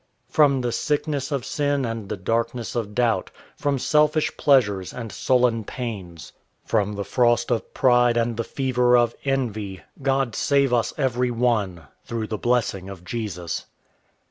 From the sickness of sin and the darkness of doubt, From selfish pleasures and sullen pains, From the frost of pride and the fever of envy, God save us every one, through the blessing of Jesus.